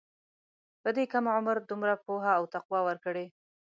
په دې کم عمر دومره پوهه او تقوی ورکړې.